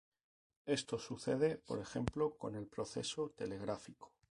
Esto sucede por ejemplo con el proceso telegráfico.